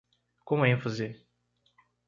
Com ênfase